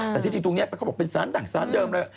แต่ที่จริงตรงนี้เขาบอกเป็นสารดั่งสารเดิมเลย